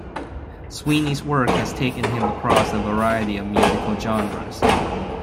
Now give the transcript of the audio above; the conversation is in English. Sweeney's work has taken him across a variety of musical genres.